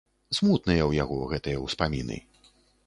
Смутныя ў яго гэтыя ўспаміны.